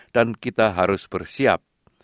dan kita harus bersiap